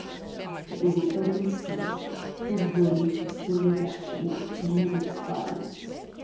It was the open sea, whose waves were still dashing with tremendous violence!